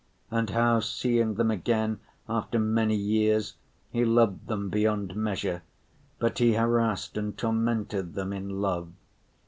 And how, seeing them again after many years, he loved them beyond measure, but he harassed and tormented them in love.